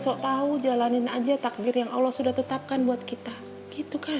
sok tahu jalanin aja takdir yang allah sudah tetapkan untuk kita karena percaya khusus summersalar